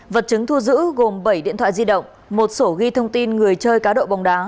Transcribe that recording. vật chứng thu giữ gồm bảy điện thoại di động một sổ ghi thông tin người chơi cá độ bóng đá